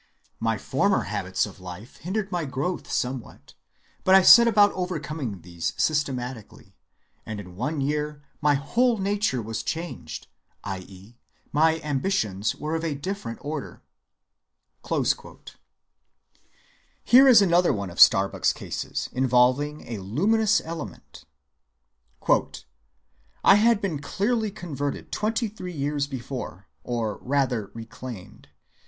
My former habits of life hindered my growth somewhat, but I set about overcoming these systematically, and in one year my whole nature was changed, i.e., my ambitions were of a different order." Here is another one of Starbuck's cases, involving a luminous element:— "I had been clearly converted twenty‐three years before, or rather reclaimed.